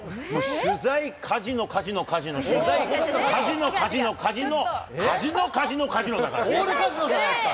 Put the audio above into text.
取材、カジノ、カジノ、カジノ、取材、カジノ、カジノ、カジノ、オールカジノじゃないですか。